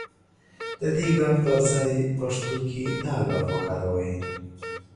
د دې ګ پر ځای پښتو کې دا گ وکاروئ.